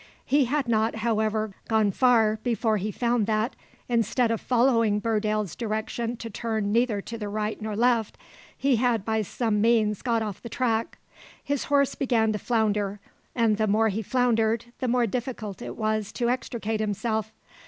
He had not, however, gone far before he found that, instead of following Burdale's direction to turn neither to the right nor left, he had by some means got off the track. His horse began to flounder, and the more he floundered the more difficult it was to extricate himself.